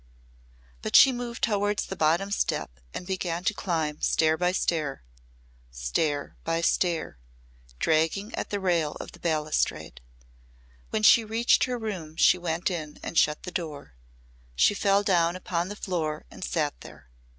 But she moved towards the bottom step and began to climb stair by stair stair by stair dragging at the rail of the balustrade. When she reached her room she went in and shut the door. She fell down upon the floor and sat there.